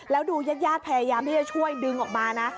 แล้วดูญาติพยายามที่จะช่วยดึงออกมานะ